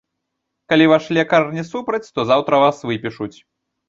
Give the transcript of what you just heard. Калі ваш лекар не супраць, то заўтра вас выпішуць.